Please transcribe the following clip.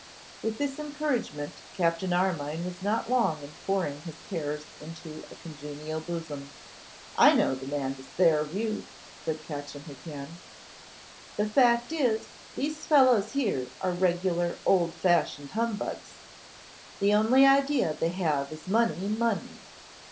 With this encouragement, Captain Armine was not long in pouring his cares into a congenial bosom. 'I know the man to "sarve" you,' said Catchimwhocan. 'The fact is, these fellows here are regular old fashioned humbugs. The only idea they have is money, money.